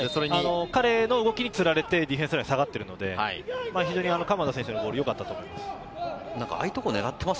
彼の動きにつられて、ディフェンスラインが下がっているので、鎌田選手のボール、よかったと思います。